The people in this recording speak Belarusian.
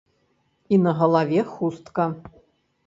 І на галаве хустка.